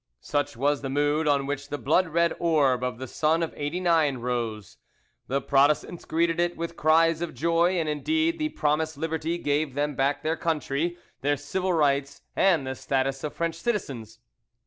Such was the mood on which the blood red orb of the sun of '89 rose. The Protestants greeted it with cries of joy, and indeed the promised liberty gave them back their country, their civil rights, and the status of French citizens.